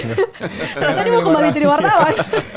ternyata dia mau kembali jadi wartawan